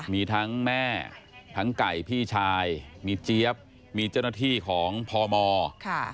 มีทั้งแม่ทั้งไก่พี่ชายมีเจี๊ยบมีเจ้าหน้าที่ของพมค่ะ